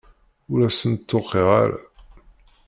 Ur asen-d-tuqiɛ ara.